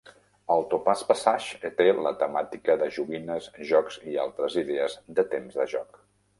El "Topaz Passage" té la temàtica de joguines, jocs i altres idees "de temps de joc".